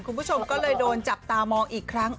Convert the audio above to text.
คุณผู้ชมก็เลยโดนจับตามองอีกครั้ง